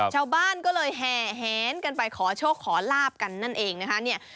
เจ้าบ้านก็เลยแหนกันไปขอโชคขอลาบกันนั่นเองนะคะ